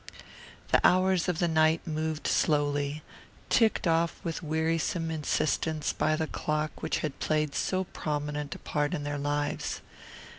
The hours of the night moved slowly, ticked off with wearisome insistence by the clock which had played so prominent a part in their lives.